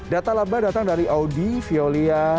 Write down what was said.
data laba datang dari audi violia